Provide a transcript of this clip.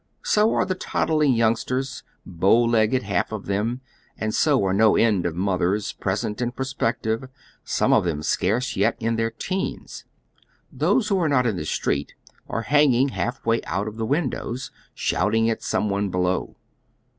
So aie the toddling youngsters, bow legged half of them, and scare no end of mothers, present and prospective, some of them scarce yet in their teens. Those who are not in the street are hang ing lialf way out of tlie windows, shouting at some one below.